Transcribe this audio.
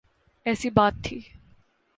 ایسی بات تھی۔